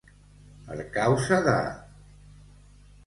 Per causa de.